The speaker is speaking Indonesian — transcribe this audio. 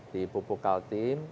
di pupuk altim